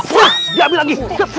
puh diambil lagi